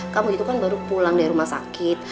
kamu itu kan baru pulang dari rumah sakit